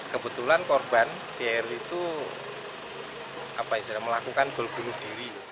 kebetulan korban pr itu melakukan gol bunuh diri